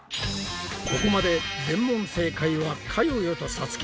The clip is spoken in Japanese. ここまで全問正解はかよよとさつき。